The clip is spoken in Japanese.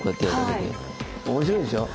面白いでしょ。